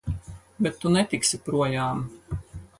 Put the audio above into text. Bet tu netiksi projām!